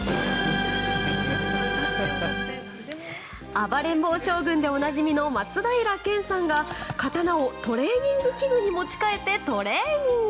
「暴れん坊将軍」でおなじみの松平健さんが刀をトレーニング器具に持ち替えて、トレーニング。